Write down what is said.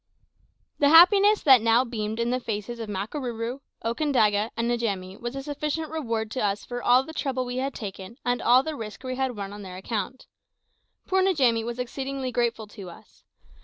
The happiness that now beamed in the faces of Makarooroo, Okandaga, and Njamie was a sufficient reward to us for all the trouble we had taken and all the risk we had run on their account. Poor Njamie was exceedingly grateful to us.